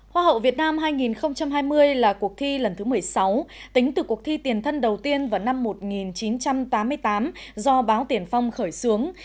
hoa hậu việt nam hai nghìn hai mươi là cuộc thi lần thứ một mươi sáu tính từ cuộc thi tiền thân đầu tiên vào năm một nghìn chín trăm tám mươi tám do báo tiền phong khởi xướng